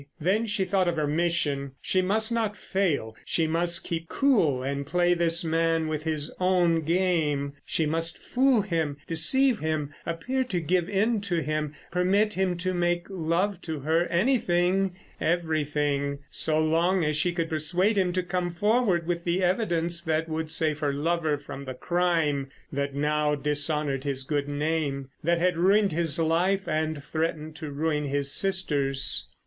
Then she thought of her mission—she must not fail. She must keep cool and play this man with his own game. She must fool him, deceive him—appear to give in to him; permit him to make love to her, anything, everything so long as she could persuade him to come forward with the evidence that would save her lover from the crime that now dishonoured his good name; that had ruined his life and threatened to ruin his sister's.